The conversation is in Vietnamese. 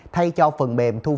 thay cho phương tiện giao thông